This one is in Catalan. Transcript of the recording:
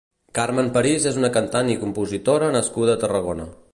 Carmen París és una cantant i compositora nascuda a Tarragona.